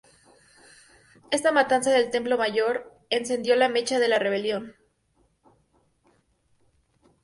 Esta Matanza del Templo Mayor encendió la mecha de la rebelión.